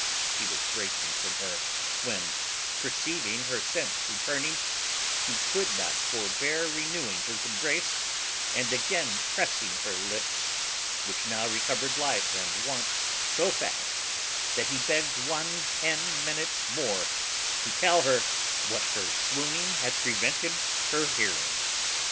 He was breaking from her, when, perceiving her sense returning, he could not forbear renewing his embrace, and again pressing her lips, which now recovered life and warmth so fast that he begged one ten minutes more to tell her what her swooning had prevented her hearing.